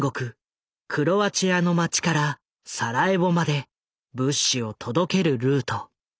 クロアチアの街からサラエボまで物資を届けるルート。